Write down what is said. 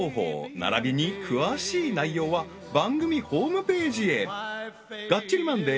ならびに詳しい内容は番組ホームページへ「がっちりマンデー！！」